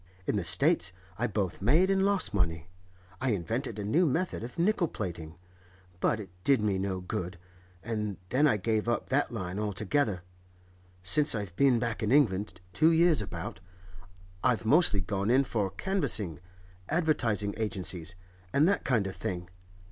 In the States I both made and lost money. I invented a new method of nickel plating, but it did me no good, and then I gave up that line altogether. Since I've been back in England—two years about—I've mostly gone in for canvassing, advertising agencies, and that kind of thing.